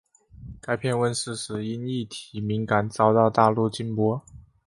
该片问世时因议题敏感遭到大陆禁播。